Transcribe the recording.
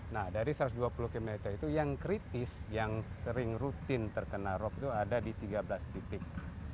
nah dari satu ratus dua puluh km itu yang kritis yang sering rutin terkena rop itu ada di tiga belas titik